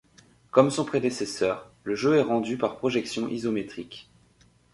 Comme son prédécesseur, le jeu est rendu par projection isométrique.